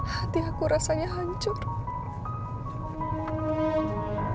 hati aku rasanya hancur